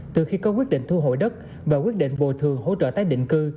từ khi có quyết định thu hội đất và quyết định vô thường hỗ trợ tái định cư